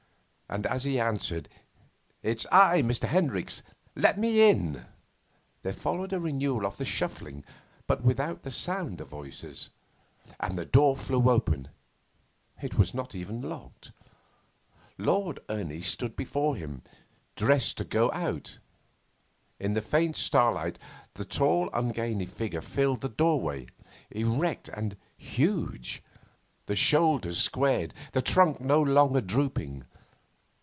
And, as he answered, 'It's I, Mr. Hendricks; let me in,' there followed a renewal of the shuffling, but without the sound of voices, and the door flew open it was not even locked. Lord Ernie stood before him, dressed to go out. In the faint starlight the tall ungainly figure filled the doorway, erect and huge, the shoulders squared, the trunk no longer drooping.